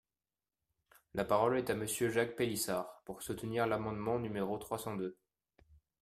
La parole est à Monsieur Jacques Pélissard, pour soutenir l’amendement numéro trois cent deux.